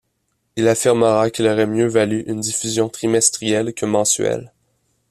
Il affirmera qu'il aurait mieux valu une diffusion trimestrielle que mensuelle.